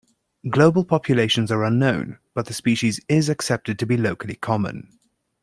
Global populations are unknown, but the species is accepted to be locally common.